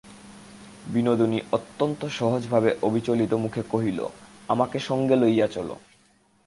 বিনোদিনী অত্যন্ত সহজভাবে অবিচলিত-মুখে কহিল, আমাকে সঙ্গে লইয়া চলো।